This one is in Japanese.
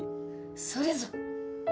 それぞ。